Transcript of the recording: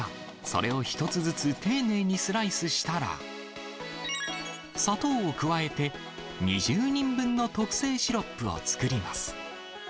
それを１つずつ丁寧にスライスしたら、砂糖を加えて、２０人分の特製シロップを作ります。